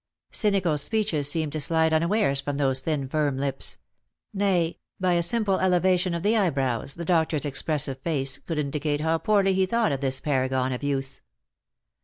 Cynical speeches seemed to slide unawares from those thin firm lips ; nay, by a simple elevation of the eyebrows the doctor's expressive face could indi cate how poorly he thought of this paragon of youths.